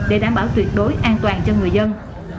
để đảm bảo tuyệt đối an toàn cho người dân